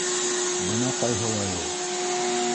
Бына ҡайһылай ул!